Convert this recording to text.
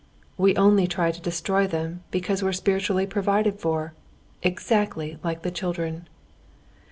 "We only try to destroy them, because we're spiritually provided for. Exactly like the children!